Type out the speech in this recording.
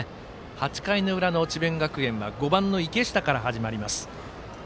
８回の裏の智弁学園は５番池下から始まります。